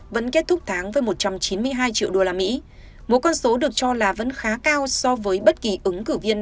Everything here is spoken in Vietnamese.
vẫn kết thúc tháng với một trăm chín mươi hai triệu usd một con số được cho là vẫn khá cao so với bất kỳ ứng cử viên